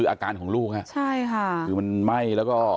อาการของลูกฮะใช่ค่ะคือมันไหม้แล้วก็